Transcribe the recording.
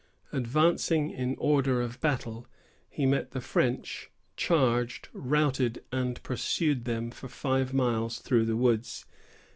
Advancing in order of battle, he met the French, charged, routed, and pursued them for five miles through the woods.